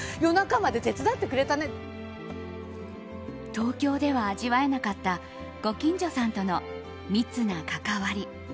東京では味わえなかったご近所さんとの密な関わり。